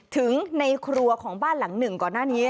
ถึงในครัวของบ้านหลังหนึ่งก่อนหน้านี้